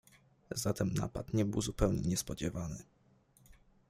"Zatem napad nie był zupełnie niespodziewany."